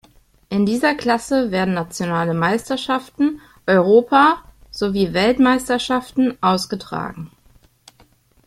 In dieser Klasse werden nationale Meisterschaften, Europa- sowie Weltmeisterschaften ausgetragen.